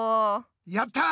やった！